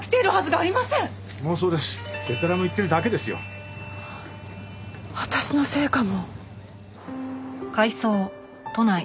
あっ私のせいかも。